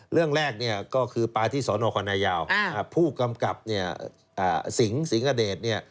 เรื่องแรกก็คือปลาที่สนคณะยาวผู้กำกับสิงศ์สิงศ์อเดชน์